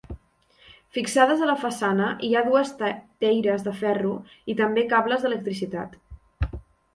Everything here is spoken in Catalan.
Fixades a la façana hi ha dues teieres de ferro i també cables d'electricitat.